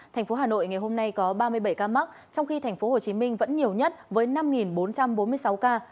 thành phố hà nội ngày hôm nay có ba mươi bảy ca mắc trong khi thành phố hồ chí minh vẫn nhiều nhất với năm bốn trăm bốn mươi sáu ca